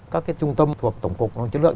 các cái trung tâm thuộc tổng cục chất lượng